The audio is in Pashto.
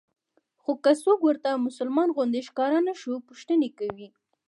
خو که څوک ورته مسلمان غوندې ښکاره نه شو پوښتنې کوي.